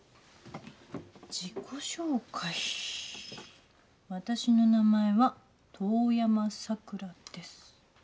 「自己紹介」「私の名前は遠山桜です」